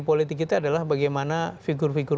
politik kita adalah bagaimana figur figur